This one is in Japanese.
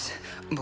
僕